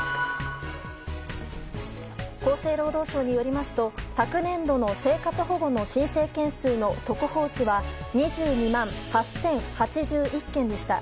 厚生労働省によりますと昨年度の生活保護の申請件数の速報値は２２万８０８１件でした。